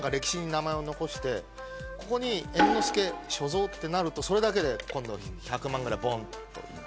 ここに「猿之助所蔵」ってなるとそれだけで今度１００万ぐらいボンっと。